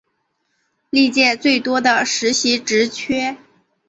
历届最多的实习职缺